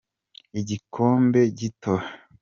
igikombe gito